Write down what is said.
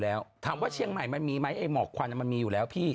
แล้วถามว่าเชียงใหม่มันมีไหมไอ้หมอกควันมันมีอยู่แล้วพี่